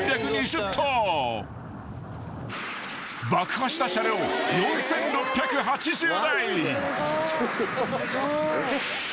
［爆破した車両４，６８０台］